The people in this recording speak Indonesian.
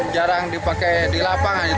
jarang dipakai di lapang